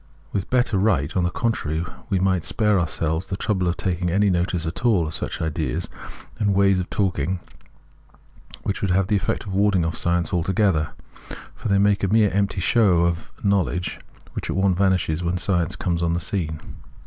With better right, on the contrary, we might spare ourselves the trouble of taking any notice at all of such ideas and ways of talking which would have the effect of warding off science altogether ; Introduction 77 for they make a mere empty show of knowledge which at once vanishes when science comes on the scene.